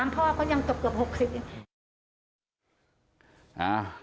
๖๓พ่อก็ยังตกกว่า๖๐อีก